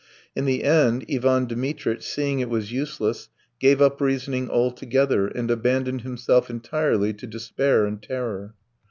In the end Ivan Dmitritch, seeing it was useless, gave up reasoning altogether, and abandoned himself entirely to despair and terror.